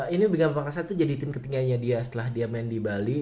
ini bima perkasa tuh jadi tim ketinggalannya dia setelah dia main di bali